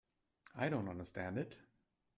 I don't understand it.